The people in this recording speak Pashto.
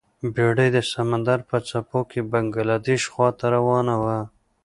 بیړۍ د سمندر په څپو کې بنګلادیش خواته روانه وه.